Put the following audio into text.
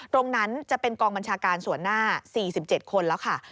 ตรงนั้นจะเป็นกองบัญชาการส่วนหน้า๔๗คนแล้วค่ะ